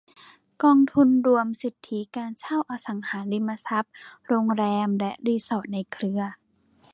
กองทุนรวมสิทธิการเช่าอสังหาริมทรัพย์โรงแรมและรีสอร์ทในเครือ